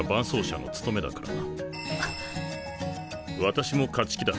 私も勝ち気だ。